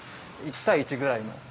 １対１ぐらいの。